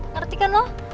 ngerti kan lo